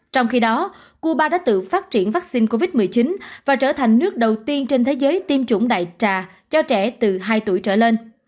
trong khi đó cuba đã tự phát triển vaccine covid một mươi chín và trở thành nước đầu tiên trên thế giới tiêm chủng đại trà cho trẻ từ hai tuổi trở lên